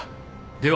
では。